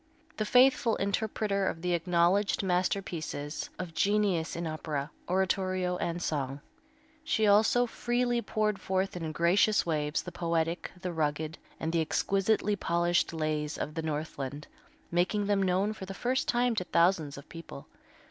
The faithful interpreter of the acknowledged masterpieces of genius in opera, oratorio and song, she also freely poured forth in gracious waves the poetic, the rugged, and the exquisitely polished lays of the Northland, making them known for the first time to thousands of people.